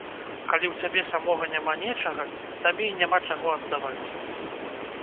Калі ў цябе самога няма нечага, табе і няма чаго аддаваць.